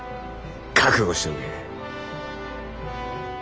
覚悟しておけ！